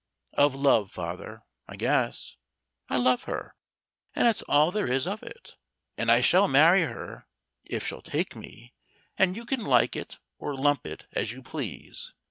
"Of love, father, I guess. I love her, and that's all there is of it. And I shall marry her, if she'll take me, and you can like it or lump it, as you please.